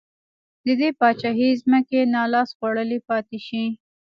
د دې پاچاهۍ ځمکې نا لاس خوړلې پاتې شي.